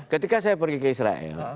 ketika saya pergi ke israel